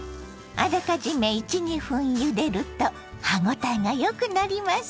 あらかじめ１２分ゆでると歯応えがよくなります。